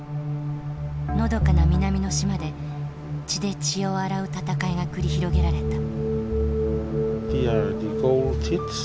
のどかな南の島で血で血を洗う戦いが繰り広げられた。